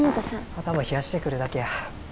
頭冷やしてくるだけや。